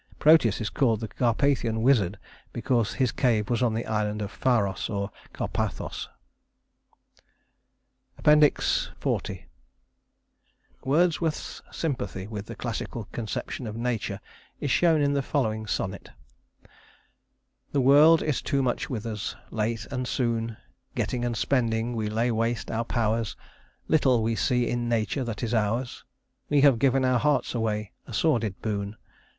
Proteus is called the Carpathian wizard because his cave was on the island of Pharos, or Carpathos. XL Wordsworth's sympathy with the classical conception of nature is shown in the following sonnet: "The world is too much with us; late and soon, Getting and spending, we lay waste our powers; Little we see in Nature that is ours; We have given our hearts away, a sordid boon!